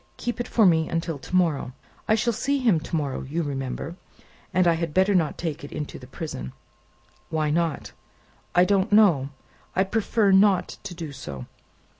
"Keep it for me until to morrow. I shall see him to morrow, you remember, and I had better not take it into the prison." "Why not?" "I don't know; I prefer not to do so.